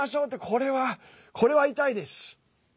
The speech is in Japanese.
これはこれは痛いです。